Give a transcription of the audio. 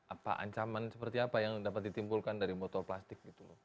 apa ancaman seperti apa yang dapat ditimpulkan dari botol plastik gitu loh